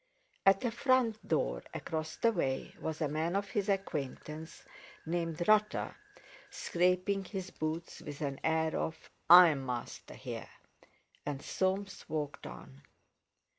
At a front door across the way was a man of his acquaintance named Rutter, scraping his boots, with an air of "I am master here." And Soames walked on.